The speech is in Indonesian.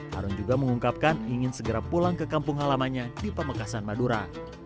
harun juga mengungkapkan ingin segera pulang ke kampung halamannya di pamekasan madura